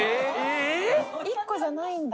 １個じゃないんだ。